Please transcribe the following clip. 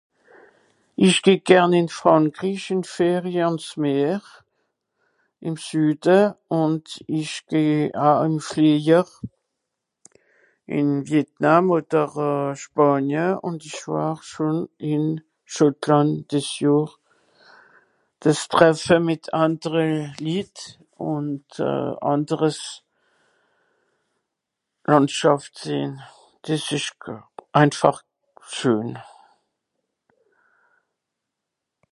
esch geh gern i Frankrich in Ferie ans Meer in Süde und esch geh a an fleijer im Vietnam oder Spanie un esch war schon im Schottland des Johr deusch treffe mìt andere Litt und anderes làndschàft sehn des esch einfach schön